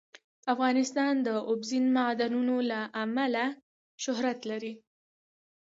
افغانستان د اوبزین معدنونه له امله شهرت لري.